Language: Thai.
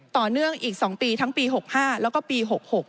ต่อเนื่องอีก๒ปีทั้งปี๖๕แล้วก็ปี๖๖